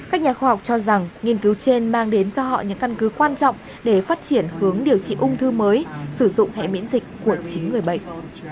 các nhà khoa học cho rằng nghiên cứu trên mang đến cho họ những căn cứ quan trọng để phát triển hướng điều trị ung thư mới sử dụng hệ miễn dịch của chính người bệnh